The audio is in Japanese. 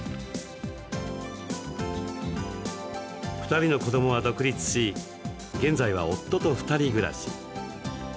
２人の子どもは独立し現在は夫と２人暮らし。